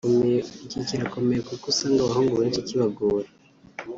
Iki kirakomeye kuko usanga abahungu benshi kibagora